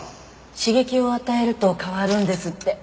刺激を与えると変わるんですって。